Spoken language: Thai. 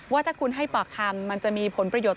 ว่าถ้าคุณให้ปากคำมันจะมีผลประโยชน์